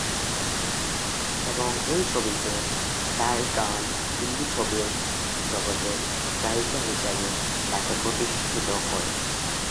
এবং এই ছবিতে তার গান হিন্দি ছবির জগতে গায়িকা হিসাবে তাকে প্রতিষ্ঠিত করে।